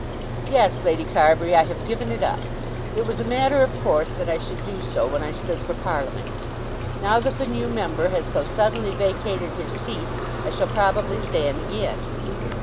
"Yes, Lady Carbury, I have given it up. It was a matter of course that I should do so when I stood for Parliament. Now that the new member has so suddenly vacated his seat, I shall probably stand again."